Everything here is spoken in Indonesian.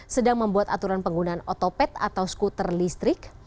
sedang membuat aturan penggunaan otopet atau skuter listrik